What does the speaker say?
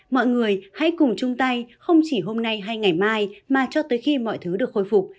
mọi người hãy cùng chung tay không chỉ hôm nay hay ngày mai mà cho tới khi mọi thứ được khôi phục